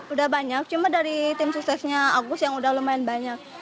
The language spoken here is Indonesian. udah banyak cuma dari tim suksesnya agus yang udah lumayan banyak